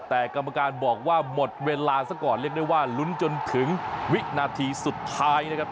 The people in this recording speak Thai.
แต่กรรมการบอกว่าหมดเวลาซะก่อนเรียกได้ว่าลุ้นจนถึงวินาทีสุดท้ายนะครับ